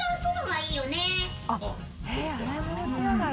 「へえ洗い物しながら」